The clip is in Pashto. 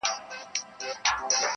• بس پرون چي می ویله -